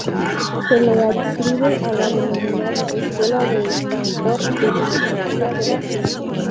Se le adscribe a la denominada "Escuela de Stanford de Filosofía de la Ciencia.